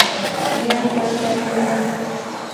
Mia kpata mi va.